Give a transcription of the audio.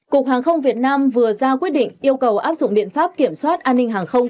cục hàng không việt nam vừa ra quyết định yêu cầu áp dụng biện pháp kiểm soát an ninh hàng không